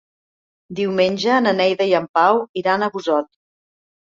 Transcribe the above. Diumenge na Neida i en Pau iran a Busot.